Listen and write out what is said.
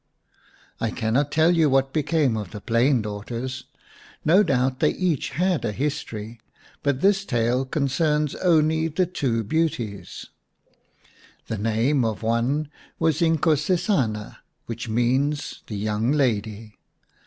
I cannot tell you what became of the plain daughters. No doubt they each had a history, but this tale concerns only the two beauties. 139 Baboon Skins xn The name of one was Inkosesana, which means "the Young Lady."